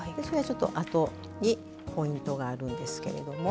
あとにポイントがあるんですけれども。